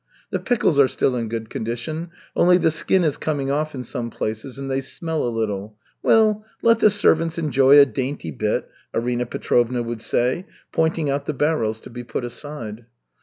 "The pickles are still in good condition, only the skin is coming off in some places, and they smell a little. Well, let the servants enjoy a dainty bit," Arina Petrovna would say, pointing out the barrels to be put aside.